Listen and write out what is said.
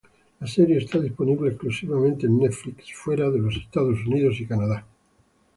La serie está disponible exclusivamente Netflix fuera de los Estados Unidos y Canadá.